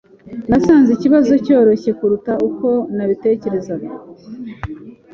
Nasanze ikibazo cyoroshye kuruta uko nabitekerezaga. (Eldad)